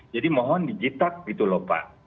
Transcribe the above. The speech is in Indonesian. jadi mohon dijitak gitu lho pak